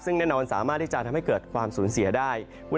ซึ่งแน่นอนสามารถที่จะทำให้เกิดความสูญเสียได้